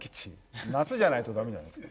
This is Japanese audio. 夏じゃないと駄目じゃないですか。